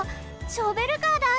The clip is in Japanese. ショベルカーだ！